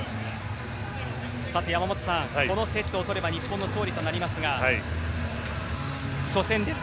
さて、山本さんこのセットを取れば日本の勝利となりますが初戦です。